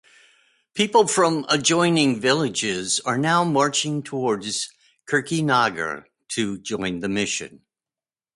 People from adjoining villages are now marching towards Kirti Nagar to join the mission.